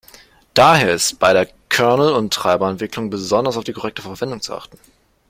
Daher ist bei der Kernel- und Treiber-Entwicklung besonders auf die korrekte Verwendung zu achten.